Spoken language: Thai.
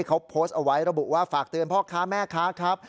เขาโพสต์เอาไว้ระบุว่าฝากเตือนพ่อค้าแม่ค้าครับ